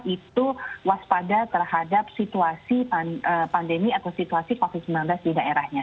itu waspada terhadap situasi pandemi atau situasi covid sembilan belas di daerahnya